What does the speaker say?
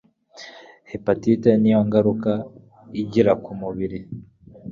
Hepatite niyihe ngaruka igira ku mubiri?